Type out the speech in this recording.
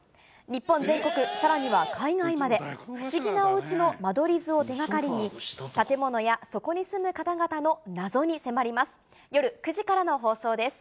日本全国、さらには海外まで、不思議なおうちの間取り図を手がかりに、建物やそこに住む方々の謎に迫ります。